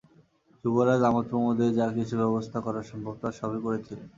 যুবরাজ আমোদপ্রমোদের যা কিছু ব্যবস্থা করা সম্ভব তার সবই করেছিলেন।